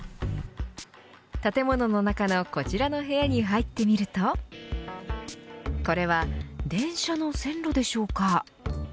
建物の中のこちらの部屋に入ってみるとこれは電車の線路でしょうか。